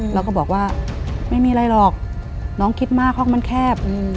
แล้วก็บอกว่าไม่มีอะไรหรอกน้องคิดมากห้องมันแคบ